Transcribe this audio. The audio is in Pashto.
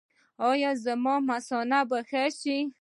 ایا زما مثانه به ښه شي؟